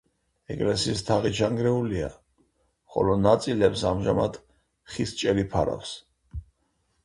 ეკლესიის თაღი ჩანგრეულია, ხოლო ნაწილებს ამჟამად ხის ჭერი ფარავს.